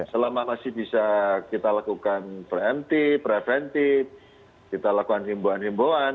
selama masih bisa kita lakukan preventif kita lakukan himboan himboan